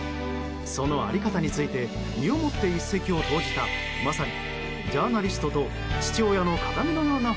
その在り方について身をもって一石を投じたまさにジャーナリストと父親の鏡のような